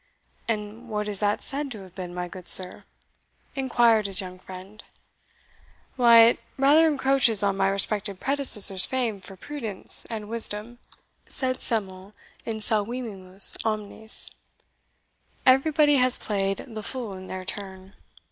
"And what is that said to have been, my good sir?" inquired his young friend. "Why, it rather encroaches on my respected predecessor's fame for prudence and wisdom Sed semel insanivimus omnes everybody has played the fool in their turn.